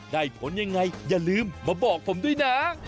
ผลยังไงอย่าลืมมาบอกผมด้วยนะ